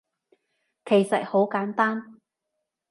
其實好簡單